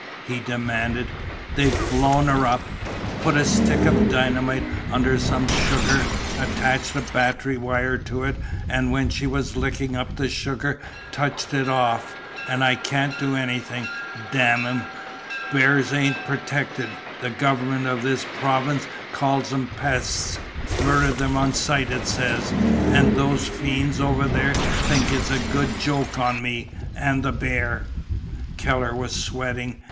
he demanded. "They've blown her up! Put a stick of dynamite under some sugar, attached a battery wire to it, an' when she was licking up the sugar touched it off. An' I can't do anything, damn 'em! Bears ain't protected. The government of this province calls 'em 'pests.' Murder 'em on sight, it says. An' those fiends over there think it's a good joke on me an' the bear!" Keller was sweating.